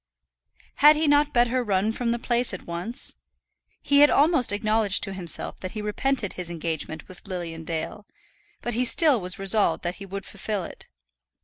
Had he not better run from the place at once? He had almost acknowledged to himself that he repented his engagement with Lilian Dale, but he still was resolved that he would fulfil it.